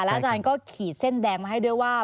อาจารย์ก็ขีดเส้นแดงมาให้ด้วยว่า